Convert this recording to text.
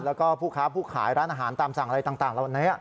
แล้วก็ผู้ค้าผู้ขายร้านอาหารตามสั่งอะไรต่างเหล่านี้